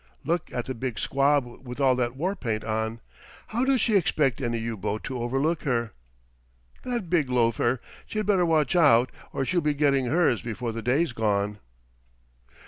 "Look at the big squab with all that war paint on how does she expect any U boat to overlook her?" "That big loafer, she'd better watch out or she'll be getting hers before the day's gone!"